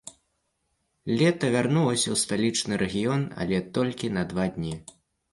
Лета вярнулася ў сталічны рэгіён, але толькі на два дні.